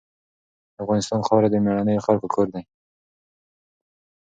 د افغانستان خاوره د مېړنیو خلکو کور دی.